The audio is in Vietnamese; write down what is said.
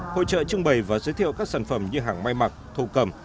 hội trợ trưng bày và giới thiệu các sản phẩm như hàng may mặc thổ cầm